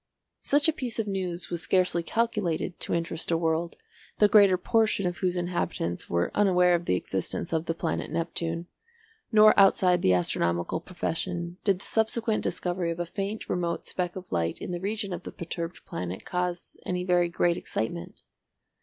Such a piece of news was scarcely calculated to interest a world the greater portion of whose inhabitants were unaware of the existence of the planet Neptune, nor outside the astronomical profession did the subsequent discovery of a faint remote speck of light in the region of the perturbed planet cause any very great excitement.